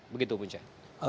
begitu bu jaya